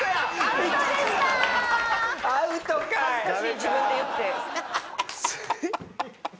自分で言って。